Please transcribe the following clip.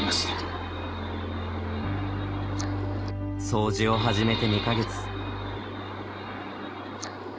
掃除を始めて２か月。